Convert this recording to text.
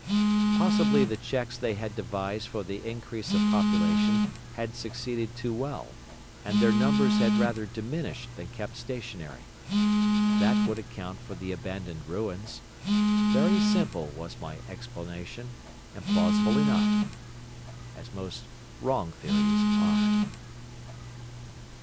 Possibly the checks they had devised for the increase of population had succeeded too well, and their numbers had rather diminished than kept stationary. That would account for the abandoned ruins. Very simple was my explanation, and plausible enough—as most wrong theories are!